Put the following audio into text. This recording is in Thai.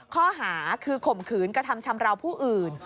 ข้อหาคือข่มขืนกระทำชำราวผู้อื่น